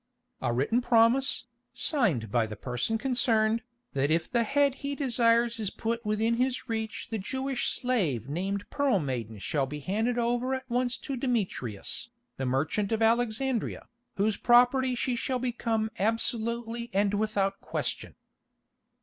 "A written promise, signed by the person concerned, that if the head he desires is put within his reach the Jewish slave named Pearl Maiden shall be handed over at once to Demetrius, the merchant of Alexandria, whose property she shall become absolutely and without question."